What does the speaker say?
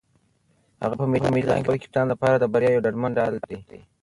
هغه په میدان کې د خپل کپتان لپاره د بریا یو ډاډمن ډال دی.